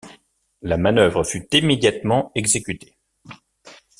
La manœuvre fut immédiatement exécutée.